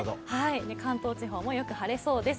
関東地方もよく晴れそうです。